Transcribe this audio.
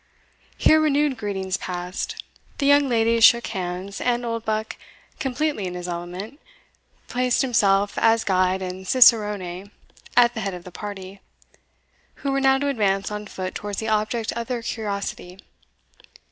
Here renewed greetings passed: the young ladies shook hands; and Oldbuck, completely in his element, placed himself as guide and cicerone at the head of the party, who were now to advance on foot towards the object of their curiosity.